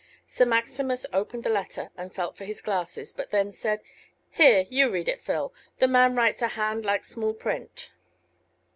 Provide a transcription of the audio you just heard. Sir Maximus opened the letter and felt for his glasses, but then said, "Here, you read it, Phil: the man writes a hand like small print."